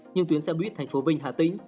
nhưng tuyến xe buýt thành phố vinh hà tĩnh